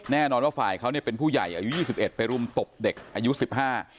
แน่นอนว่าฝ่ายเขาเนี่ยเป็นผู้ใหญ่อายุยี่สิบเอ็ดไปรุมตบเด็กอายุสิบห้า